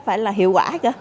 phải là hiệu quả cơ